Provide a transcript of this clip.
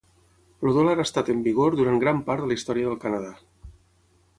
El dòlar ha estat en vigor durant gran part de la història del Canadà.